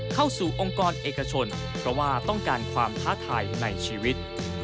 เข้าสู่องค์กรเอกชนเพราะว่าต้องการความท้าทายในชีวิต